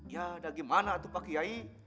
ya bagaimana tuh pak kiai